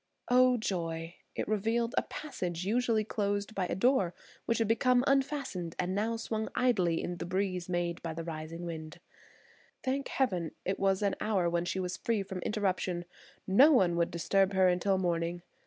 Oh! Joy! it revealed a passage usually closed by a door which had become unfastened and now swung idly in the breeze made by the raising wind. Thank heaven, it was an hour when she was free from interruption. No one would disturb her until morning.